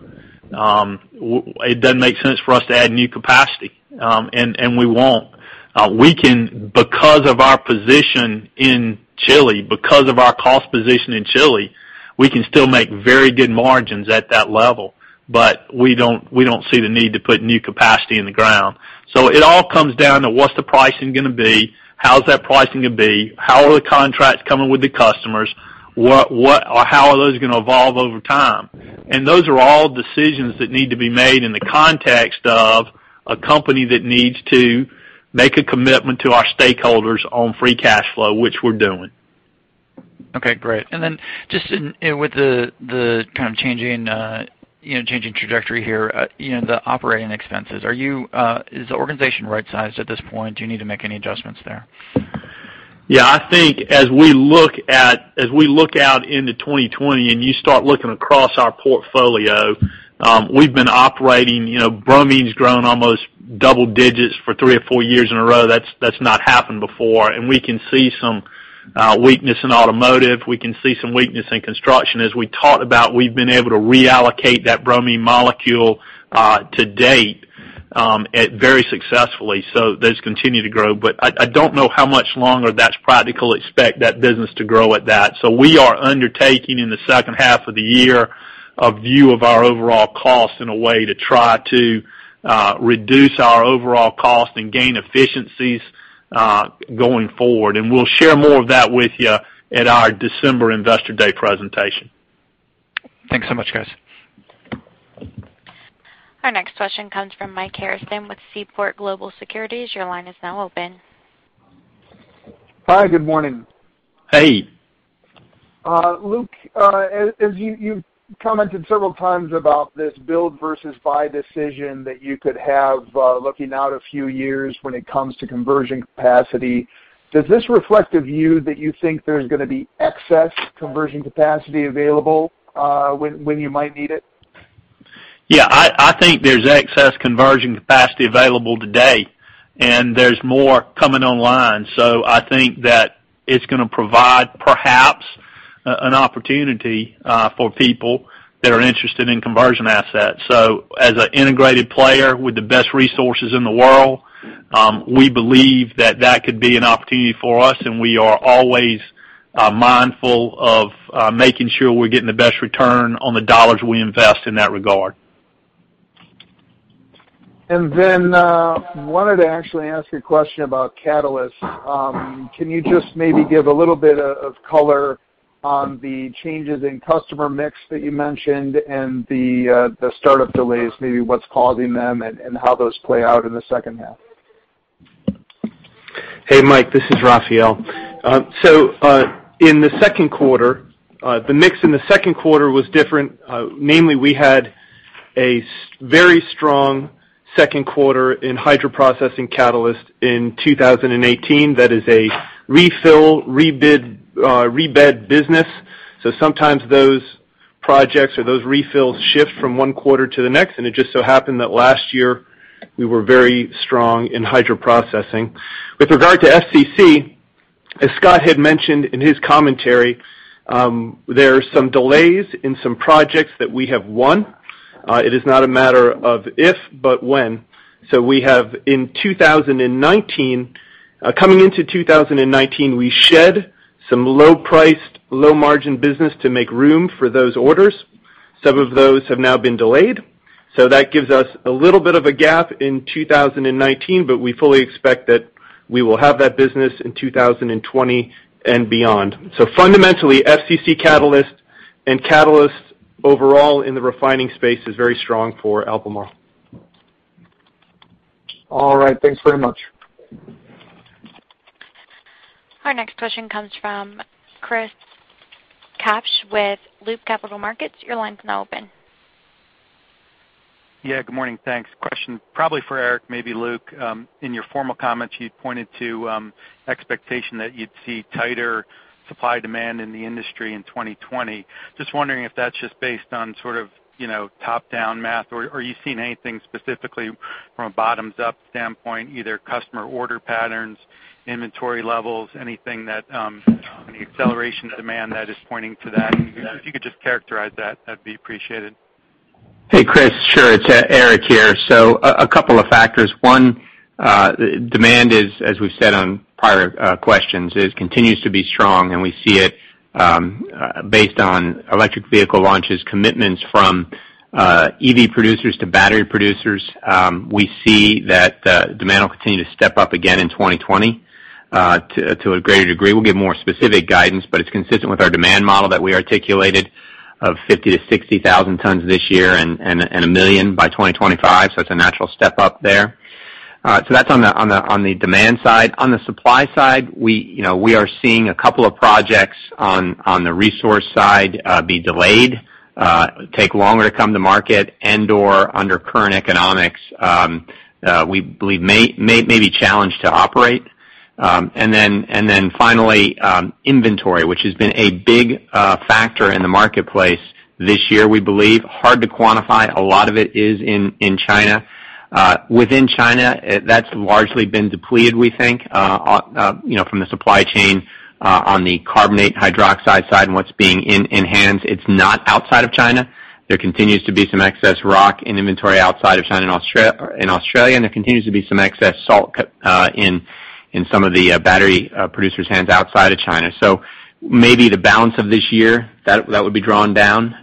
it doesn't make sense for us to add new capacity, and we won't. Because of our position in Chile, because of our cost position in Chile, we can still make very good margins at that level. We don't see the need to put new capacity in the ground. It all comes down to what's the pricing going to be, how is that pricing going to be, how are the contracts coming with the customers, how are those going to evolve over time? Those are all decisions that need to be made in the context of a company that needs to make a commitment to our stakeholders on free cash flow, which we're doing. Okay, great. Just with the kind of changing trajectory here, the operating expenses, is the organization right-sized at this point? Do you need to make any adjustments there? Yeah, I think as we look out into 2020 and you start looking across our portfolio, we've been operating, bromine's grown almost double digits for three or four years in a row. That's not happened before. We can see some weakness in automotive. We can see some weakness in construction. As we talked about, we've been able to reallocate that bromine molecule to date very successfully. Those continue to grow. I don't know how much longer that's practical expect that business to grow at that. We are undertaking in the second half of the year, a view of our overall cost in a way to try to reduce our overall cost and gain efficiencies going forward. We'll share more of that with you at our December investor day presentation. Thanks so much, guys. Our next question comes from Mike Harrison with Seaport Global Securities. Your line is now open. Hi, good morning. Hey. Luke, as you've commented several times about this build versus buy decision that you could have looking out a few years when it comes to conversion capacity, does this reflect a view that you think there's going to be excess conversion capacity available when you might need it? I think there's excess conversion capacity available today, and there's more coming online. I think that it's going to provide perhaps an opportunity for people that are interested in conversion assets. As an integrated player with the best resources in the world, we believe that that could be an opportunity for us, and we are always mindful of making sure we're getting the best return on the dollars we invest in that regard. I wanted to actually ask you a question about Catalysts. Can you just maybe give a little bit of color? on the changes in customer mix that you mentioned and the startup delays, maybe what's causing them and how those play out in the second half? Hey, Mike, this is Rafael. In the second quarter, the mix in the second quarter was different. Namely, we had a very strong second quarter in hydroprocessing catalyst in 2018. That is a refill, rebed business. Sometimes those projects or those refills shift from one quarter to the next, and it just so happened that last year we were very strong in hydroprocessing. With regard to FCC, as Scott had mentioned in his commentary, there are some delays in some projects that we have won. It is not a matter of if, but when. Coming into 2019, we shed some low-priced, low-margin business to make room for those orders. Some of those have now been delayed. That gives us a little bit of a gap in 2019, but we fully expect that we will have that business in 2020 and beyond. Fundamentally, FCC catalyst and catalyst overall in the refining space is very strong for Albemarle. All right. Thanks very much. Our next question comes from Christopher Kapsch with Loop Capital Markets. Your line's now open. Yeah, good morning. Thanks. Question probably for Eric, maybe Luke. In your formal comments, you pointed to expectation that you'd see tighter supply-demand in the industry in 2020. Wondering if that's just based on top-down math or are you seeing anything specifically from a bottoms-up standpoint, either customer order patterns, inventory levels, any acceleration demand that is pointing to that? If you could just characterize that'd be appreciated. Hey, Chris Kapsch. Sure. It's Eric here. A couple of factors. One, demand is, as we've said on prior questions, continues to be strong, and we see it based on electric vehicle launches, commitments from EV producers to battery producers. We see that demand will continue to step up again in 2020 to a greater degree. We'll give more specific guidance, but it's consistent with our demand model that we articulated of 50,000-60,000 tons this year and 1 million by 2025. It's a natural step up there. That's on the demand side. On the supply side, we are seeing a couple of projects on the resource side be delayed, take longer to come to market, and/or under current economics we believe may be challenged to operate. Finally, inventory, which has been a big factor in the marketplace this year, we believe. Hard to quantify. A lot of it is in China. Within China, that's largely been depleted, we think, from the supply chain on the carbonate hydroxide side and what's being enhanced. It's not outside of China. There continues to be some excess rock in inventory outside of China in Australia, and there continues to be some excess salt in some of the battery producers' hands outside of China. Maybe the balance of this year, that would be drawn down.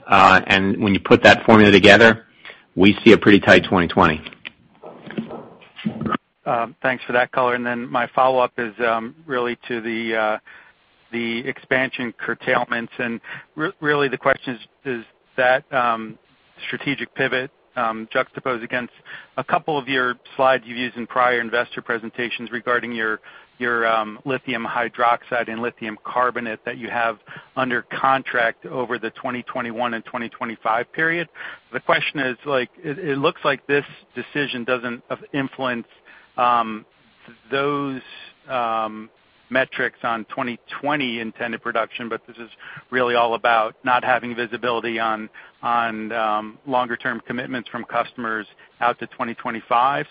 When you put that formula together, we see a pretty tight 2020. My follow-up is really to the expansion curtailments. Really the question is, does that strategic pivot juxtapose against a couple of your slides you've used in prior investor presentations regarding your lithium hydroxide and lithium carbonate that you have under contract over the 2021 and 2025 period? The question is, it looks like this decision doesn't influence those metrics on 2020 intended production, but this is really all about not having visibility on longer term commitments from customers out to 2025.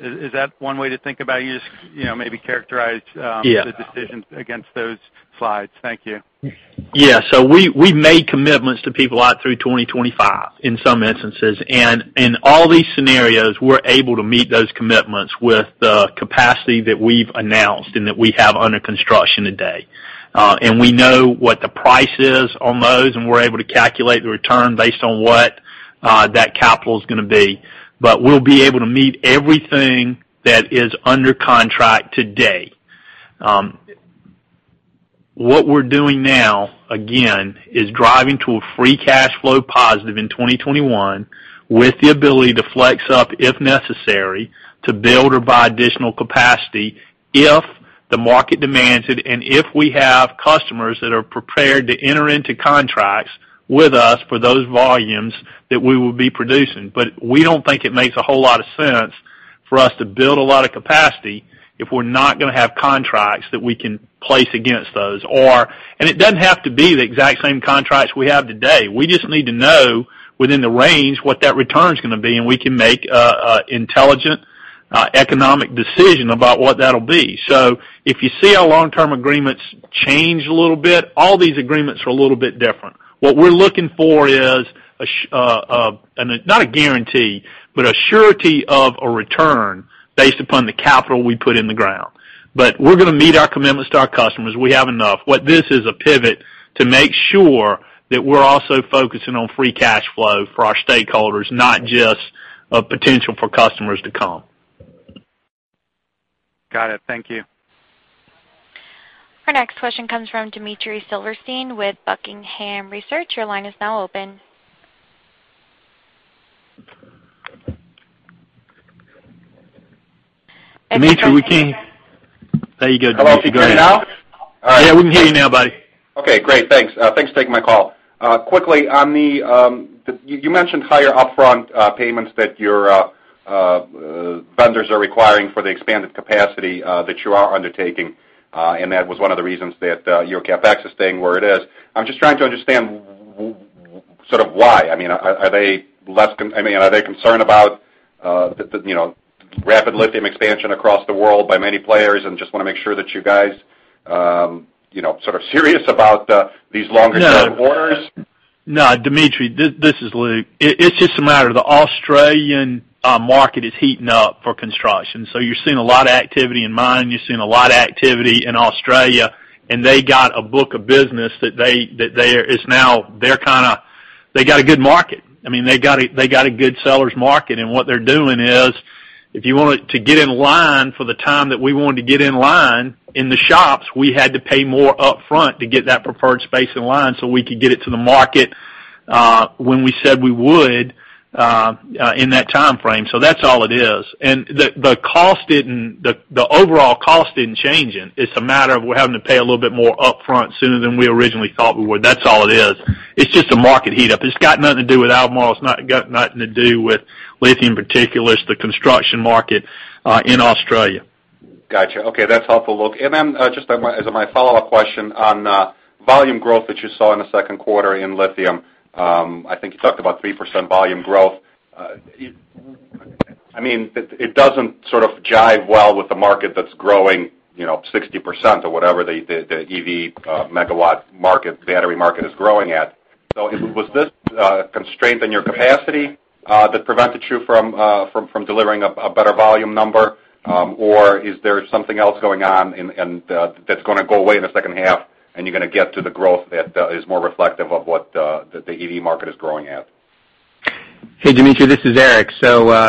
Is that one way to think about it? Yeah the decisions against those slides. Thank you. Yeah. We made commitments to people out through 2025 in some instances, and in all these scenarios, we're able to meet those commitments with the capacity that we've announced and that we have under construction today. We know what the price is on those, and we're able to calculate the return based on what that capital is going to be. We'll be able to meet everything that is under contract today. What we're doing now, again, is driving to a free cash flow positive in 2021 with the ability to flex up if necessary to build or buy additional capacity if the market demands it and if we have customers that are prepared to enter into contracts with us for those volumes that we will be producing. We don't think it makes a whole lot of sense for us to build a lot of capacity if we're not going to have contracts that we can place against those. It doesn't have to be the exact same contracts we have today. We just need to know within the range what that return's going to be, and we can make an intelligent economic decision about what that'll be. If you see our long-term agreements change a little bit, all these agreements are a little bit different. What we're looking for is, not a guarantee, but a surety of a return based upon the capital we put in the ground. We're going to meet our commitments to our customers. We have enough. What this is a pivot to make sure that we're also focusing on free cash flow for our stakeholders, not just a potential for customers to come. Got it. Thank you. Our next question comes from Dmitry Silversteyn with Buckingham Research. Your line is now open. Dmitry, Dmitry, There you go, Dmitry. Go ahead. Hello? Can you hear me now? All right. Yeah, we can hear you now, buddy. Okay, great. Thanks. Thanks for taking my call. Quickly, you mentioned higher upfront payments that your vendors are requiring for the expanded capacity that you are undertaking, and that was one of the reasons that your CapEx is staying where it is. I'm just trying to understand, why? Are they concerned about the rapid lithium expansion across the world by many players and just want to make sure that you guys are serious about these longer-term orders? No, Dmitry. This is Luke. It's just a matter of the Australian market is heating up for construction. You're seeing a lot of activity in mining. You're seeing a lot of activity in Australia. They got a book of business that they got a good market. They got a good seller's market. What they're doing is, if you wanted to get in line for the time that we wanted to get in line in the shops, we had to pay more upfront to get that preferred space in line so we could get it to the market, when we said we would in that timeframe. That's all it is. The overall cost isn't changing. It's a matter of we're having to pay a little bit more upfront sooner than we originally thought we would. That's all it is. It's just a market heat-up. It's got nothing to do with Albemarle. It's got nothing to do with lithium in particular. It's the construction market in Australia. Got you. Okay. That's helpful, Luke. Just as my follow-up question on volume growth that you saw in the second quarter in lithium. I think you talked about 3% volume growth. It doesn't jive well with the market that's growing 60% or whatever the EV megawatt battery market is growing at. Was this a constraint in your capacity that prevented you from delivering a better volume number? Is there something else going on, and that's going to go away in the second half and you're going to get to the growth that is more reflective of what the EV market is growing at? Hey, Dmitry, this is Eric.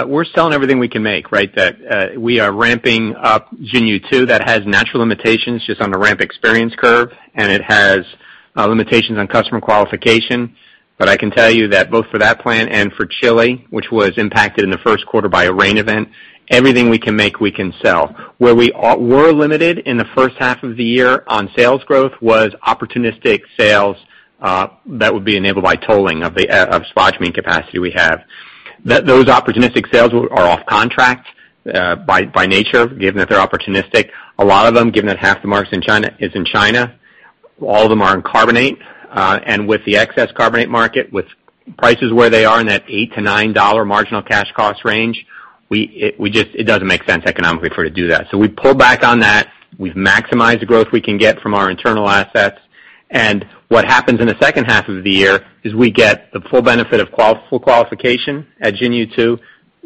We're selling everything we can make, right? We are ramping up Xinyu 2. That has natural limitations just on the ramp experience curve, and it has limitations on customer qualification. I can tell you that both for that plant and for Chile, which was impacted in the first quarter by a rain event, everything we can make, we can sell. Where we were limited in the first half of the year on sales growth was opportunistic sales that would be enabled by tolling of spodumene capacity we have. Those opportunistic sales are off-contract by nature, given that they're opportunistic. A lot of them, given that half the market is in China, all of them are in carbonate. With the excess carbonate market, with prices where they are in that $8-$9 marginal cash cost range, it doesn't make sense economically for us to do that. We pulled back on that. We've maximized the growth we can get from our internal assets. What happens in the second half of the year is we get the full benefit of full qualification at Xinyu 2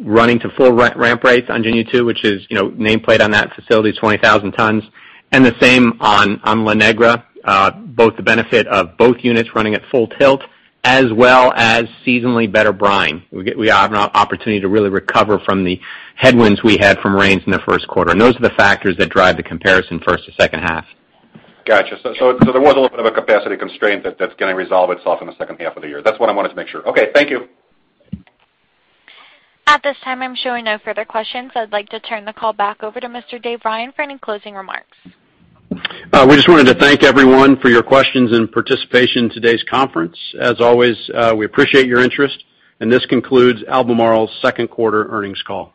running to full ramp rates on Xinyu 2, which is nameplate on that facility is 20,000 tons. The same on La Negra, both the benefit of both units running at full tilt as well as seasonally better brine. We have an opportunity to really recover from the headwinds we had from rains in the first quarter. Those are the factors that drive the comparison first to second half. Got you. There was a little bit of a capacity constraint that's going to resolve itself in the second half of the year. That's what I wanted to make sure. Okay, thank you. At this time, I'm showing no further questions. I'd like to turn the call back over to Mr. Dave Ryan for any closing remarks. We just wanted to thank everyone for your questions and participation in today's conference. As always, we appreciate your interest, and this concludes Albemarle's second quarter earnings call.